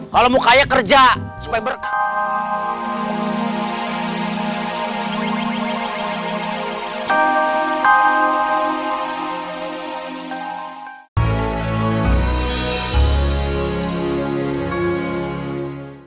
kalau mau kaya kerja supaya berkah